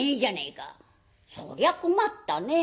「そりゃ困ったね。